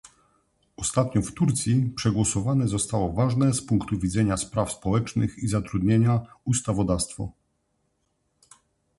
Ostatnio w Turcji przegłosowane zostało ważne z punktu widzenia spraw społecznych i zatrudnienia ustawodawstwo